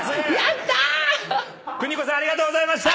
邦子さんありがとうございました！